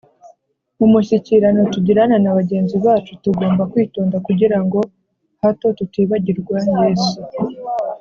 Mu mushyikirano tugirana na bagenzi bacu, tugomba kwitonda kugira ngo hato tutibagirwa Yesu